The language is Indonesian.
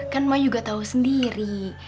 kan mak juga tau sendiri